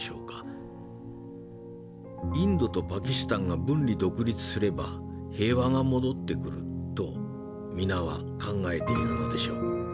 インドとパキスタンが分離独立すれば平和が戻ってくると皆は考えているのでしょう。